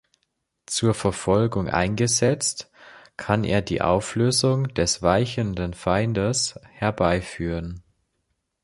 Zur Verfolgung eingesetzt, kann er die Auflösung des weichenden Feindes herbeiführen.